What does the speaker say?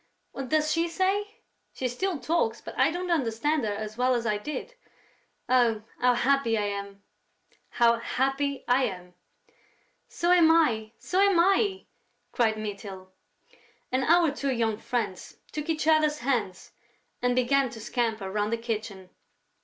What does she say?... She still talks, but I don't understand her as well as I did.... Oh, how happy I am, how happy I am!..." "So am I, so am I!" cried Mytyl. And our two young friends took each other's hands and began to scamper round the kitchen.